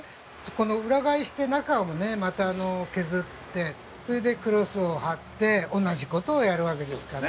この裏返して中もねまた削ってそれでクロスを張って同じ事をやるわけですから。